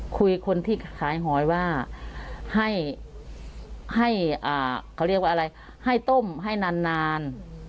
คุยคนที่ขายหอยว่าให้เขาเรียกว่าอะไรให้ต้มให้นาน